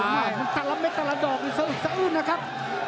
มันตลับไม่ตลับออกอยู่สะอืดสะอืดนะครับ